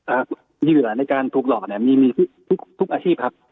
อ่าที่เวลาในการถูกหล่อเนี่ยมีทุกอาชีพครับ